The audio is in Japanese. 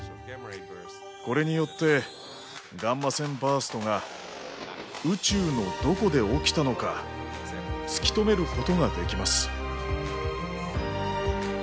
これによってガンマ線バーストが宇宙のどこで起きたのか突き止めることができます。